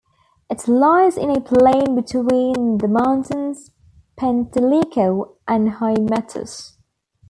It lies in a plain between the mountains Penteliko and Hymettus.